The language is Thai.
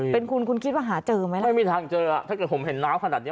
เป็นคุณคุณคิดว่าหาเจอไหมล่ะไม่มีทางเจออ่ะถ้าเกิดผมเห็นน้าวขนาดเนี้ย